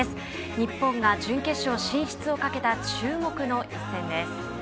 日本が準決勝進出をかけた注目の一戦です。